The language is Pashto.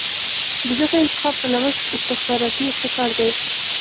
د دغه انتخاب په نوښت استخباراتي ابتکار دی.